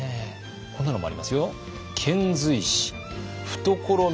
こんなのもありますよ。